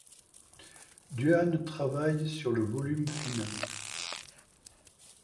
Duane travaille sur le volume final.